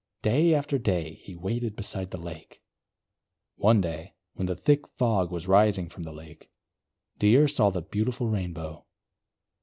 Day after day, he waited beside the lake. One day, when the thick fog was rising from the lake, Deer saw the beautiful Rainbow.